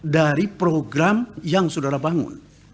dari program yang saudara bangun